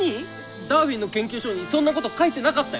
ダーウィンの研究書にそんなこと書いてなかったよ！